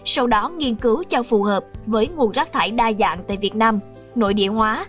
sau đó nghiên cứu cho phù hợp với nguồn rác thải đa dạng tại việt nam nội địa hóa